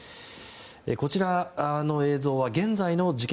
こちらの映像は現在の事件